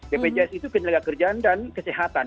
bpjs itu ketenaga kerjaan dan kesehatan